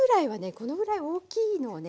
このぐらい大きいのをね